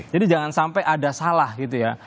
jadi jangan sampai ada salah gitu ya